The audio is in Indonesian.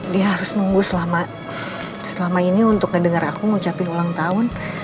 dia harus nunggu selama ini untuk ngedengar aku ngucapin ulang tahun